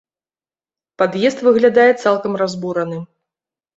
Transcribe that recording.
Пад'езд выглядае цалкам разбураным.